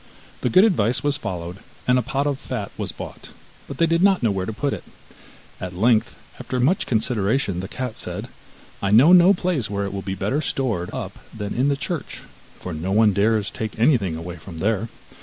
The good advice was followed, and a pot of fat was bought, but they did not know where to put it. At length, after much consideration, the cat said: 'I know no place where it will be better stored up than in the church, for no one dares take anything away from there.